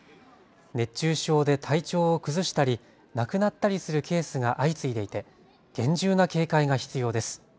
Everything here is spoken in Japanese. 熱中症で体調を崩したり亡くなったりするケースが相次いでいて厳重な警戒が必要です。